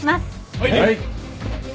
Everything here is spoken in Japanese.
はい。